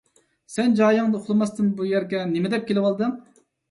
سەن جايىڭدا ئۇخلىماستىن بۇ يەرگە نېمىدەپ كېلىۋالدىڭ؟